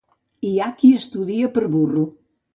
Hi ha qui estudia per a burro.